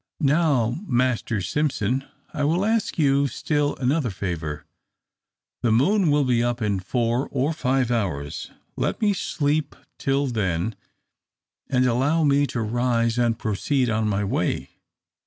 "Now, Master Simpson, I will ask you still another favour; the moon will be up in four or five hours: let me sleep till then, and allow me to rise and proceed on my way.